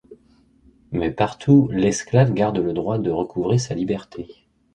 Mais partout l’esclave garde le droit de recouvrer sa liberté !